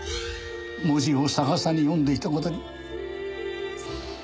文字を逆さに呼んでいた事に。